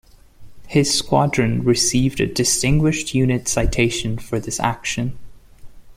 His squadron received a Distinguished Unit Citation for this action.